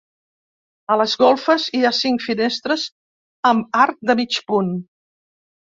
A les golfes hi ha cinc finestres amb arc de mig punt.